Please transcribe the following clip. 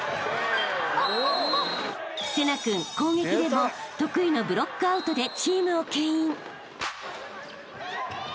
［聖成君攻撃でも得意のブロックアウトでチームをけん引］